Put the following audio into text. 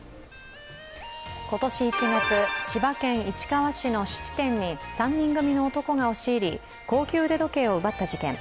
今年１月、千葉県市川市の質店に３人組の男が押し入り、高級腕時計を奪った事件。